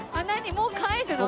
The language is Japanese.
もう帰るの？